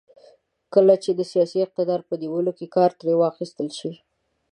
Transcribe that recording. کله چې د سیاسي اقتدار په نیولو کې کار ترې واخیستل شي.